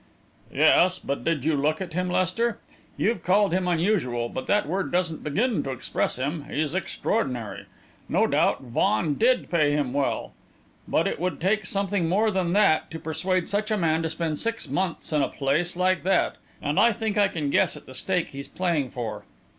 "Yes; but did you look at him, Lester? You've called him unusual, but that word doesn't begin to express him. He's extraordinary. No doubt Vaughan did pay him well, but it would take something more than that to persuade such a man to spend six months in a place like that. And I think I can guess at the stake he's playing for."